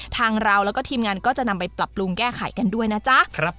ทางเราแล้วก็ทีมงานก็จะนำไปปรับปรุงแก้ไขกันด้วยนะจ๊ะ